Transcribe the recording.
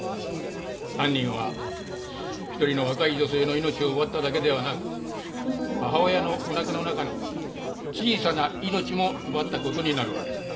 犯人は一人の若い女性の命を奪っただけではなく母親のお腹の中の小さな命も奪った事になるわけだ。